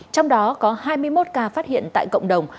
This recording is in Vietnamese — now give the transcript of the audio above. trong đó có hai mươi một ca phát hiện tại cộng đồng